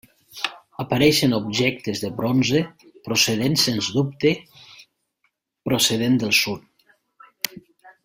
Apareixen objectes de bronze, procedents sens dubte procedent del sud.